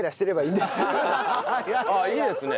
ああいいですね。